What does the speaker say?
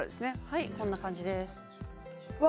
はいこんな感じですうわ